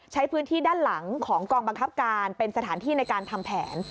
ใช้พื้นที่ด้านหลังของกองบังคับการเป็นสถานที่ในการทำแผน